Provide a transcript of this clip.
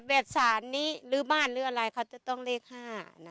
ไม่แบบศาลนี้หรือบ้านหรืออะไรเขาต้องเลขห้านะ